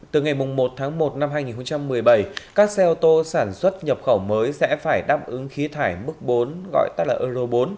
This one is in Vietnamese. từ ngày một tháng một năm hai nghìn một mươi bảy các xe ô tô sản xuất nhập khẩu mới sẽ phải đáp ứng khí thải mức bốn gọi tắt là euro bốn